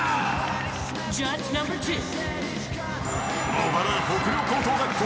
［茂原北陵高等学校